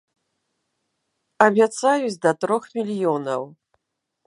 Абяцаюць да трох мільёнаў.